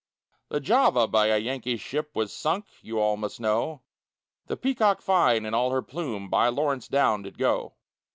The Java, by a Yankee ship Was sunk, you all must know; The Peacock fine, in all her plume, By Lawrence down did go.